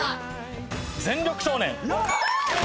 全力少年。